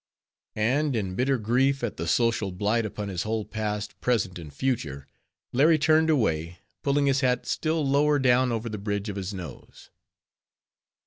And in bitter grief at the social blight upon his whole past, present, and future, Larry turned away, pulling his hat still lower down over the bridge of his nose.